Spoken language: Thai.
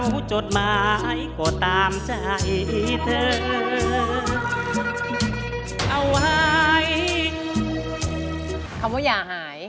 คำว่าอย่าหาย